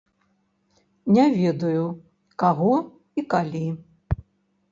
Не ведаю, каго і калі.